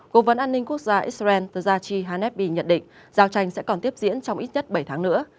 cố vấn an ninh quốc gia israel thachi hanebby nhận định giao tranh sẽ còn tiếp diễn trong ít nhất bảy tháng nữa